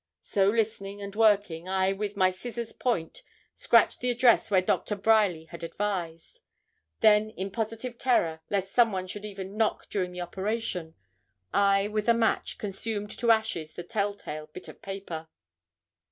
So listening and working, I, with my scissors' point, scratched the address where Doctor Bryerly had advised. Then, in positive terror, lest some one should even knock during the operation, I, with a match, consumed to ashes the tell tale bit of paper.